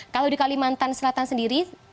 kalau di kalimantan selatan sendiri